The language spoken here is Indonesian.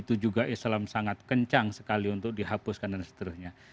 itu juga islam sangat kencang sekali untuk dihapuskan dan seterusnya